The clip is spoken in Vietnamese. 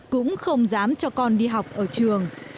cũng không dám cho con đi học ở trường